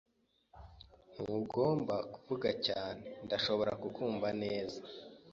Ntugomba kuvuga cyane. Ndashobora kukumva neza.